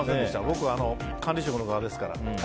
僕は管理職の場ですから。